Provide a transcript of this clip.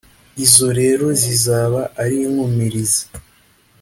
izo rero zizaba ari inkumirizi